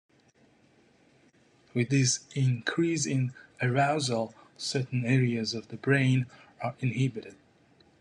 With this increase in arousal, certain areas of the brain are inhibited.